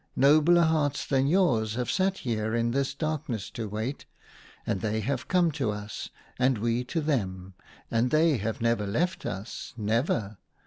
Nobler hearts than yours have sat here in this darkness to wait, and they have come to us and we to them ; and they have never left us, never.